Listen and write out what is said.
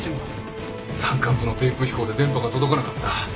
山間部の低空飛行で電波が届かなかった。